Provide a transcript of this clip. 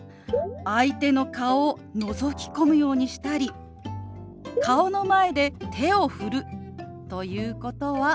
相手の顔をのぞき込むようにしたり顔の前で手を振るということはマナー違反なんです。